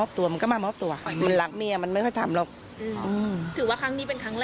พึ่งเห็นนี้แหละมั้ง